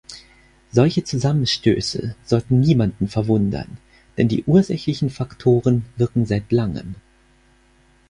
Solche Zusammenstöße sollten niemanden verwundern, denn die ursächlichen Faktoren wirken seit langem.